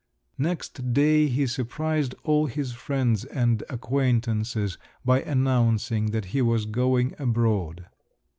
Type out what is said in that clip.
Next day he surprised all his friends and acquaintances by announcing that he was going abroad.